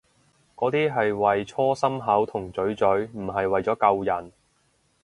嗰啲係為搓心口同嘴嘴，唔係為咗救人